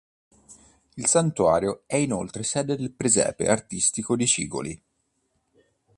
Il santuario è inoltre sede del presepe artistico di Cigoli.